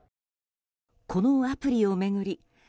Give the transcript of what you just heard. このアプリを巡り